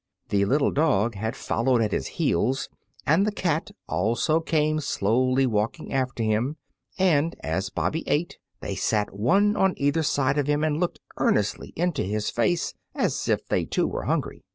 The little dog had followed at his heels, and the cat also came slowly walking after him, and as Bobby ate, they sat one on either side of him and looked earnestly into his face as if they too were hungry.